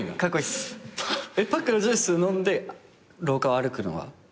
パックのジュース飲んで廊下を歩くのが？